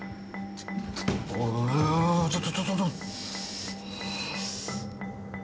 ちょっちょっと。